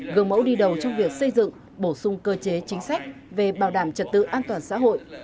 gương mẫu đi đầu trong việc xây dựng bổ sung cơ chế chính sách về bảo đảm trật tự an toàn xã hội